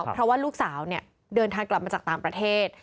เพราะว่าลูกสาวเดินทางกลับมาจากต่างประเทศ